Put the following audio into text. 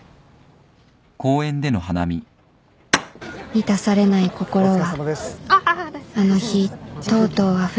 満たされない心はあの日とうとうあふれてしまった